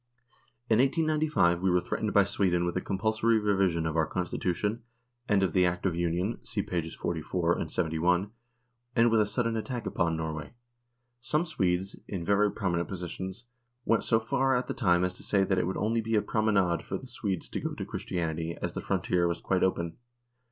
In 1895 we were threatened by Sweden with a " compulsory revision " of our Constitution and of the Act of Union (see pp. 44 and 71), and with a sudden attack upon Norway. Some Swedes, in very pro minent positions, went so far at the time as to say that it would only be a " promenade " for the Swedes to go to Christiania,. as the frontier was quite open.